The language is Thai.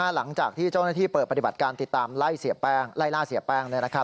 หลังจากที่เจ้าหน้าที่เปิดปฏิบัติการติดตามไล่เสียแป้งไล่ล่าเสียแป้ง